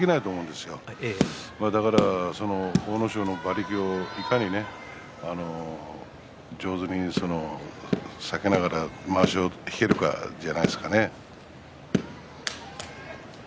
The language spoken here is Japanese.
ですから阿武咲の馬力をいかに上手に避けながらまわしを引けるかじゃないですかね。